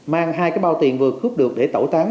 mang hai cái bao tiền vừa cướp được để tẩu tán